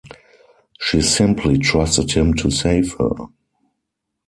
She simply trusted him to save her.